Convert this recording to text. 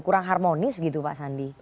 kurang harmonis begitu pak sandi